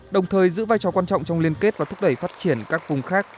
đồng thời giữ vai trò quan trọng trong liên kết và thúc đẩy phát triển các vùng khác